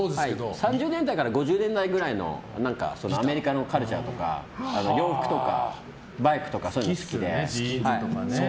３０年代から５０年代ぐらいのアメリカのカルチャーとか洋服とか、バイクとかそういうのが好きですね。